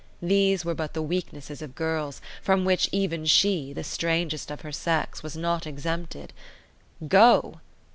These were but the weaknesses of girls, from which even she, the strangest of her sex, was not exempted. Go?